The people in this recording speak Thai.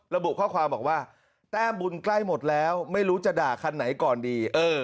ระบุข้อความบอกว่าแต้มบุญใกล้หมดแล้วไม่รู้จะด่าคันไหนก่อนดี